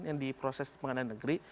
yang diproses pengadilan negeri